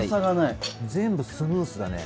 全部スムーズだね。